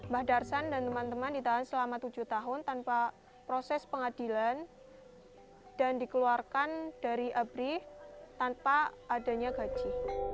mbah darsan dan teman teman ditahan selama tujuh tahun tanpa proses pengadilan dan dikeluarkan dari abri tanpa adanya gaji